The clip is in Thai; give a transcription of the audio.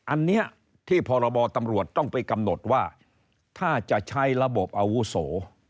อันนี้ที่พรบตำรวจต้องไปกำหนดว่าถ้าจะใช้ระบบอาวุโส